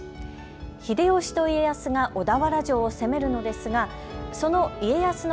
秀吉と家康が小田原城を攻めるのですが、その家康の